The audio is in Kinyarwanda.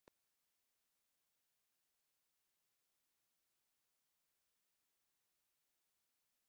Yesu yashimishijwe no kwisobanura yifashishije Ijambo ry'Imana,